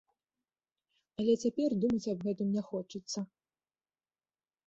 Але цяпер думаць аб гэтым не хочацца.